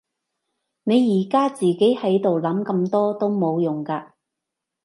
你而家自己喺度諗咁多都冇用㗎